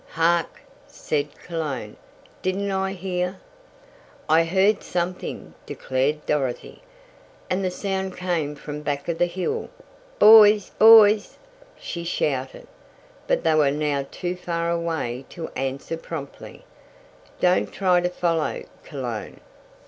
"Hark!" said Cologne. "Didn't I hear " "I heard something!" declared Dorothy, and the sound came from back of the hill. "Boys! Boys!" she shouted, but they were now too far away to answer promptly. "Don't try to follow, Cologne.